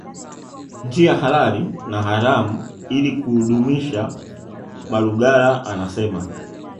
njia halali na haramu ili kuudumisha Malugala anasema